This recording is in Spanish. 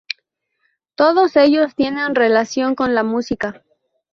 Todos ellos tienen relación con la música.